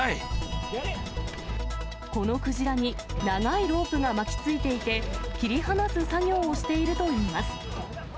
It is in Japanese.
このクジラに長いロープが巻きついていて、切り離す作業をしているといいます。